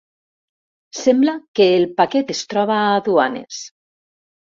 Sembla que el paquet es troba a aduanes.